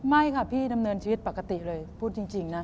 ไม่ค่ะพี่ดำเนินชีวิตปกติเลยพูดจริงนะ